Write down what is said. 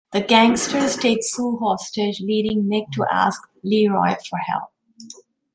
The gangsters take Sue hostage, leading Mick to ask Leroy for help.